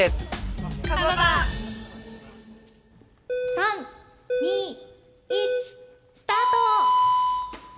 ３２１スタート！